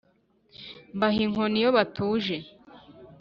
Mbaha " inkoni iyo batuje